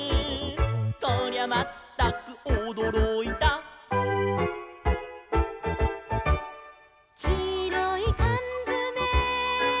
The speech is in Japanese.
「こりゃまったくおどろいた」「きいろいかんづめ」